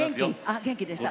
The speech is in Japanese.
あっ元気でした？